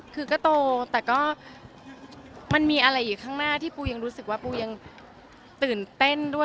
คือก็โตแต่ก็มันมีอะไรอีกข้างหน้าที่ปูยังรู้สึกว่าปูยังตื่นเต้นด้วย